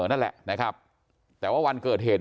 นั่นแหละแต่ว่าวันเกิดเหตุ